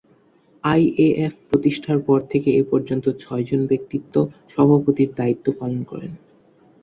IAF প্রতিষ্ঠার পর থেকে এ পর্যন্ত ছয়জন ব্যক্তিত্ব সভাপতির দায়িত্ব পালন করেন।